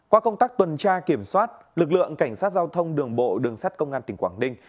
qua công tác tuần tra kiểm soát lực lượng cảnh sát giao thông đường bộ đường sát công an tỉnh quảng ninh